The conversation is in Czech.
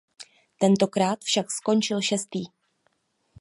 Tentokrát však skončil šestý.